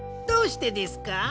どうしてですか？